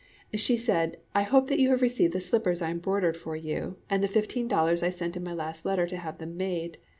She said, "I hope that you have received the slippers I embroidered for you, and the fifteen dollars I sent in my last letter to have them made."